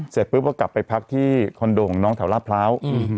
เสร็จปุ๊บก็กลับไปพักที่คอนโดของน้องแถวลาดพร้าว